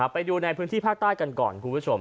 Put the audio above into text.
ไปดูในพื้นที่ภาคใต้กันก่อน